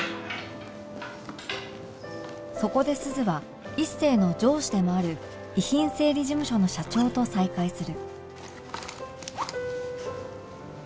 そこで鈴は一星の上司でもある遺品整理事務所の社長と再会する